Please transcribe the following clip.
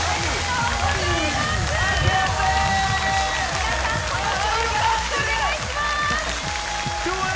皆さん、今年もよろしくお願いします。